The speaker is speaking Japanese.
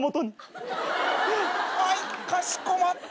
あいかしこまった。